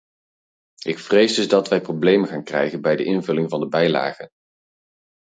Ik vrees dus dat wij problemen gaan krijgen bij de invulling van de bijlagen.